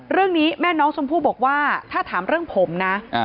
เรื่องนี้แม่น้องชมภู่บอกว่าถ้าถามเรื่องผมนะ